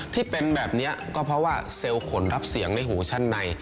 ที่เป็นแบบนี้ก็เพราะว่าเซลล์ขนรับเสียงในหูชั้นใน